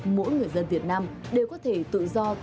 mỗi người dân việt nam đều có thể tự do